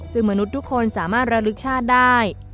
ซึ่งมนุษย์ทุกคนสามารถระลึกชาติได้